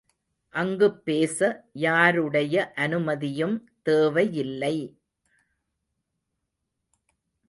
அங்குப் பேச, யாருடைய அனுமதியும் தேவையில்லை.